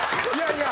いや。